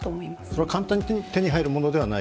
それは簡単に手に入るものではない？